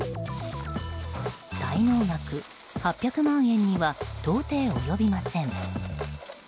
滞納額８００万円には到底及びません。